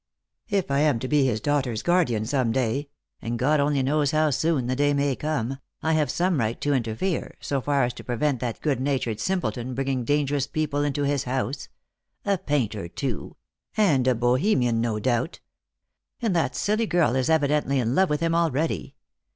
" If I am to be his daughter's guardian some day — and God only knows how soon the day may come — I have some right to interfere, so far as to prevent that good natured simpleton bringing dangerous people into his house; a painter, too; and a Bohemian, no doubt. And that silly girl is evidently in love with him already.